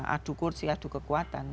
adu kursi adu kekuatan